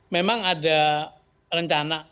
memang ada rencana